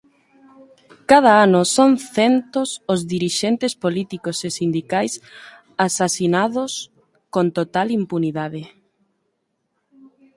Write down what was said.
Cada ano son centos os dirixentes políticos e sindicais asasinados con total impunidade.